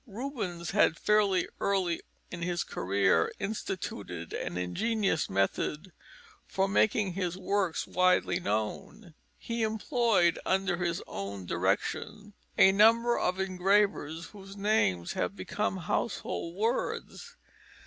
Rubens had fairly early in his career instituted an ingenious method for making his works widely known. He employed, under his own direction, a number of engravers whose names have become household words.